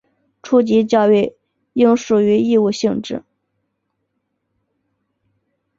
初级教育应属义务性质。